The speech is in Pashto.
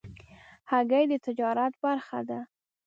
هګۍ د تجارت برخه ده.